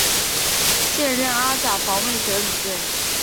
现任阿甲防卫者领队。